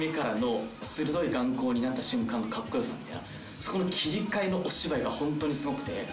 そこの切り替えのお芝居が本当にスゴくて。